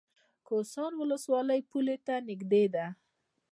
کهسان ولسوالۍ پولې ته نږدې ده؟